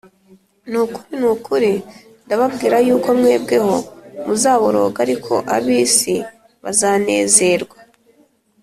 ni ukuri, ni ukuri, ndababwira yuko mwebweho muzaboroga, ariko ab’isi bazanezerwa